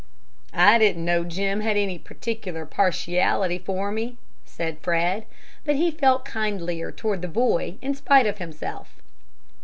"I didn't know Jim had any particular partiality for me," said Fred, but he felt kindlier toward the boy in spite of himself.